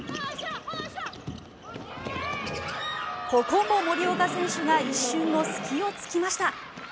ここも森岡選手が一瞬の隙を突きました。